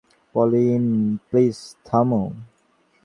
Pauline, please থামো।